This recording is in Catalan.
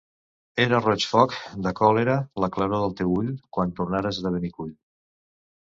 Era roig foc de còlera la claror del teu ull quan tornares de Benicull.